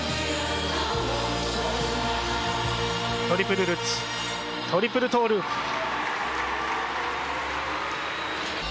トリプルルッツ、トリプルトーループ。